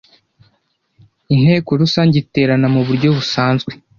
Inteko rusange iterana mu buryo busanzwe